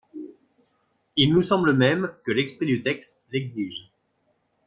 Il nous semble même que l’esprit du texte l’exige.